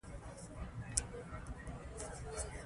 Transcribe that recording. نیولوګیزم ډېري برخي لري.